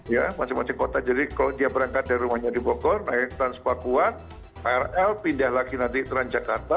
ya masing masing kota jadi kalau dia berangkat dari rumahnya di bogor naik transpakuan krl pindah lagi nanti transjakarta